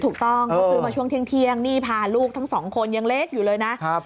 ถูกต้องเขาซื้อมาช่วงเที่ยงนี่พาลูกทั้งสองคนยังเล็กอยู่เลยนะ